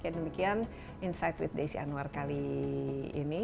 ya demikian insight with desi anwar kali ini